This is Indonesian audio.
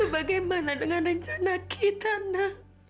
bagaimana dengan rencana kita nak